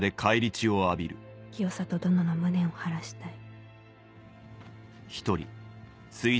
「清里殿の無念を晴らしたい」。